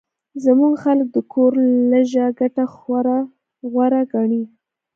زموږ خلک د کور لږه ګټه غوره ګڼي